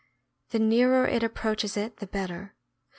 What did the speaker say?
The nearer it approaches it the better.